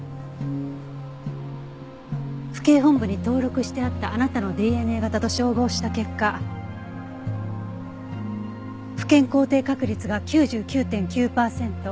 府警本部に登録してあったあなたのＤＮＡ型と照合した結果父権肯定確率が９９．９パーセント。